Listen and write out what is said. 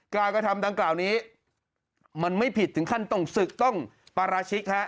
กระทำดังกล่าวนี้มันไม่ผิดถึงขั้นต้องศึกต้องปราชิกฮะ